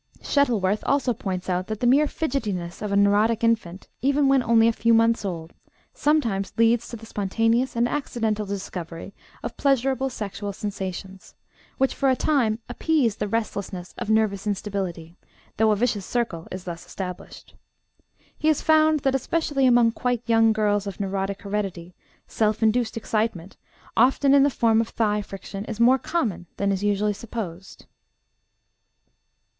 Shuttleworth also points out that the mere fidgetiness of a neurotic infant, even when only a few months old, sometimes leads to the spontaneous and accidental discovery of pleasurable sexual sensations, which for a time appease the restlessness of nervous instability, though a vicious circle is thus established. He has found that, especially among quite young girls of neurotic heredity, self induced excitement, often in the form of thigh friction, is more common than is usually supposed.